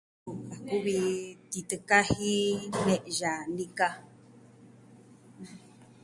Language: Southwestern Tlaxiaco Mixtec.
kuvi titɨ kaji, ne'ya, nika.